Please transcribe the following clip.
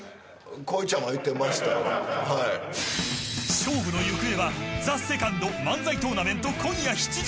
勝負の行方はＴＨＥＳＥＣＯＮＤ漫才トーナメント今夜７時。